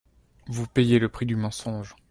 Vous payez le prix du mensonge